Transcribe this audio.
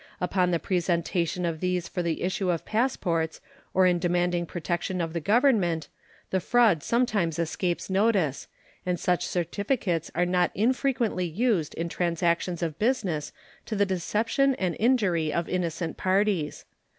Upon the presentation of these for the issue of passports or in demanding protection of the Government, the fraud sometimes escapes notice, and such certificates are not infrequently used in transactions of business to the deception and injury of innocent parties.